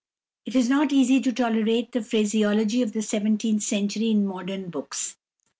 It is not easy to tolerate the phraseology of the seventeenth century in modern books.